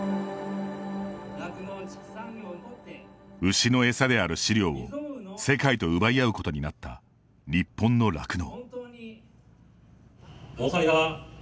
牛のエサである飼料を世界と奪い合うことになった日本の酪農。